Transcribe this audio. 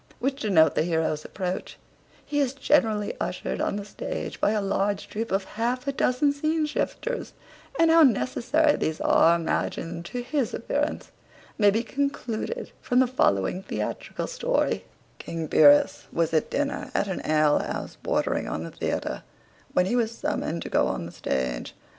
which denote the heroe's approach, he is generally ushered on the stage by a large troop of half a dozen scene shifters; and how necessary these are imagined to his appearance, may be concluded from the following theatrical story: King Pyrrhus was at dinner at an ale house bordering on the theatre, when he was summoned to go on the stage.